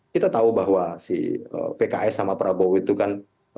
kita tahu bahwa si pks sama prabowo itu kan